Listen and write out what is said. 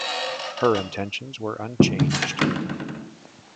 Her intentions were unchanged.